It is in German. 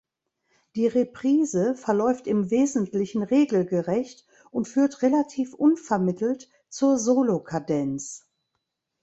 Die Reprise verläuft im Wesentlichen regelgerecht und führt relativ unvermittelt zur Solokadenz.